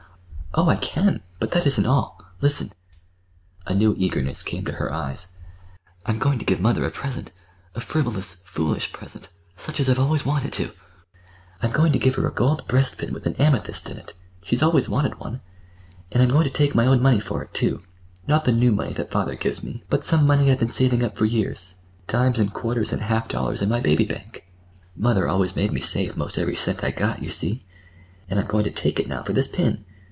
"Oh, I can! But that isn't all. Listen!" A new eagerness came to her eyes. "I'm going to give mother a present—a frivolous, foolish present, such as I've always wanted to. I'm going to give her a gold breast pin with an amethyst in it. She's always wanted one. And I'm going to take my own money for it, too,—not the new money that father gives me, but some money I've been saving up for years—dimes and quarters and half dollars in my baby bank. Mother always made me save 'most every cent I got, you see. And I'm going to take it now for this pin.